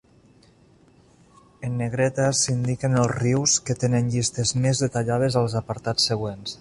En negreta s'indiquen els rius que tenen llistes més detallades als apartats següents.